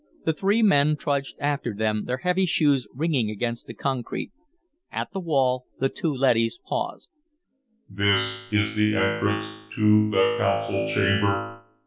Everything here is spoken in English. The three men trudged after them, their heavy shoes ringing against the concrete. At the wall, the two leadys paused. "This is the entrance to the Council Chamber.